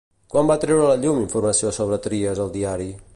Quan va treure a la llum informació sobre Trias el diari?